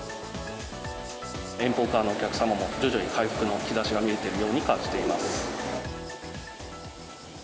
遠方からのお客様も、徐々に回復の兆しが見えているように感じています。